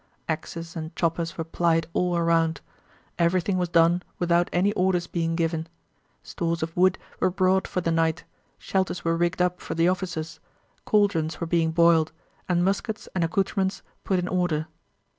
Axes and choppers were plied all around. Everything was done without any orders being given. Stores of wood were brought for the night, shelters were rigged up for the officers, caldrons were being boiled, and muskets and accouterments put in order.